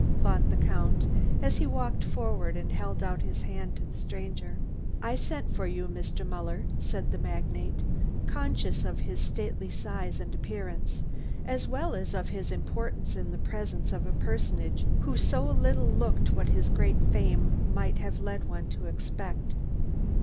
thought the Count, as he walked forward and held out his hand to the stranger. "I sent for you, Mr. Muller," said the magnate, conscious of his stately size and appearance, as well as of his importance in the presence of a personage who so little looked what his great fame might have led one to expect.